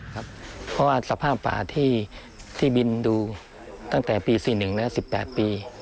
เพราะว่าสภาพป่าที่บินดูตั้งแต่ปี๔๑และ๑๘ปี